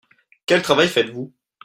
Quel travail faites-vous ?